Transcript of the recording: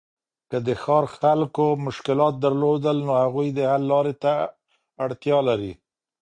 که د ښار خلګو مشکلات درلودل، نو هغوی د حل لاري ته اړتیا لري.